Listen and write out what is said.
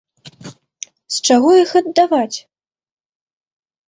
З чаго іх аддаваць?